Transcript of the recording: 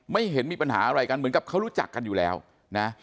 เห็นมีปัญหาอะไรกันเหมือนกับเขารู้จักกันอยู่แล้วนะ